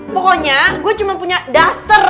pokoknya gue cuma punya duster